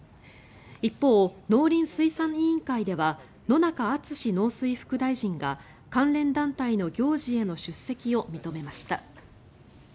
一方、農林水産委員会では野中厚農水副大臣が関連団体の行事への出席を認めました。